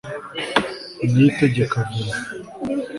niyitegeka vénant